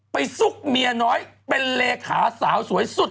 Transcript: ซุกเมียน้อยเป็นเลขาสาวสวยสุด